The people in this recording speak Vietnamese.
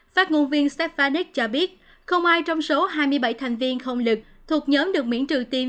phát ngôn viên stefanic cho biết không ai trong số hai mươi bảy thành viên không lực thuộc nhóm được miễn trừ